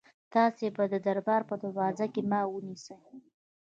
تاسي به د دربار په دروازه کې ما ونیسئ.